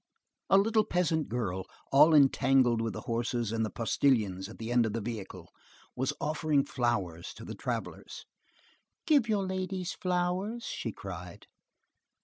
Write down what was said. A little peasant girl, all entangled with the horses and the postilions at the end of the vehicle, was offering flowers to the travellers. "Give your ladies flowers!" she cried.